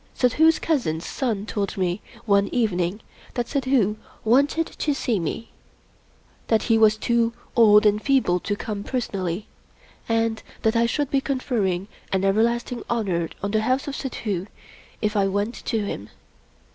Suddhoo's cousin's son told me, one evening, that Sud dhoo wanted to see me; that he was too old and feeble to come personally, and that I should be conferring an everlasting honor on the House of Suddhoo if I went to him.